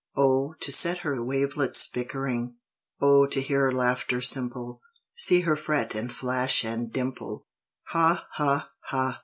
Oh, to set her wavelets bickering! Oh, to hear her laughter simple, See her fret and flash and dimple! Ha, ha, ha!"